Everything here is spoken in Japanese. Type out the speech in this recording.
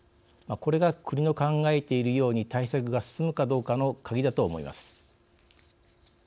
これが国の考えているように対策が進むかどうかの鍵だと思います。